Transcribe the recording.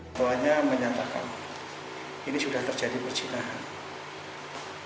tawannya menyatakan ini sudah terjadi percinahan